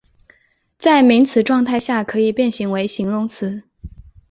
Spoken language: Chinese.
在名词状态下可以变形为形容词。